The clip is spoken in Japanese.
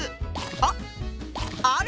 あっあれ